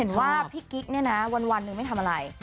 ว่าพี่กิ๊กเนี่ยนะวันหนึ่งไม่ทำอะไร